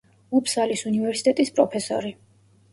უფსალის უნივერსიტეტის პროფესორი.